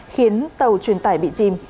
khiến tàu truyền tải bị chìm